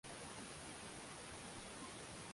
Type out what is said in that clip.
kutokana na ugonjwa wa kipindupindu ambapo habari hii